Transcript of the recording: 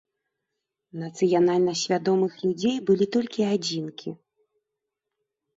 Нацыянальна свядомых людзей былі толькі адзінкі.